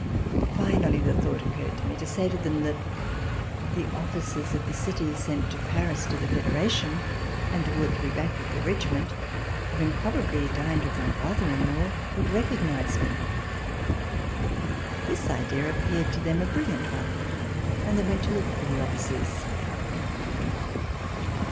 Finally the thought occurred to me to say to them that the officers of the city sent to Paris to the Federation, and who ought to be back with their regiment, having probably dined with my father in VISIT TO SWITZERLAND law, would recognize me. This idea appeared to them a brilliant one and they went to look for the officers.